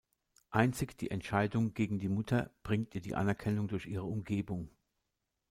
Einzig die Entscheidung gegen die Mutter bringt ihr die Anerkennung durch ihre Umgebung.